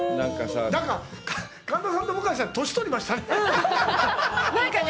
なんか神田さんと向井さん、年取りましたね。